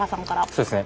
そうですね。